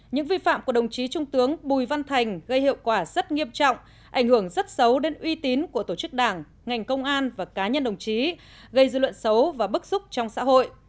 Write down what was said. những vi phạm của đồng chí trung tướng bùi văn thành gây hiệu quả rất nghiêm trọng ảnh hưởng rất xấu đến uy tín của tổ chức đảng ngành công an và cá nhân đồng chí gây dư luận xấu và bức xúc trong xã hội